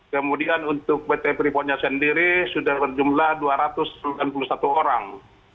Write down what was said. kemudian untuk pt freeportnya sendiri sudah berjumlah dua ratus sembilan puluh satu orang